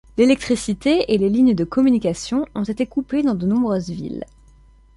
L'électricité et les lignes de communication ont été coupées dans de nombreuses villes.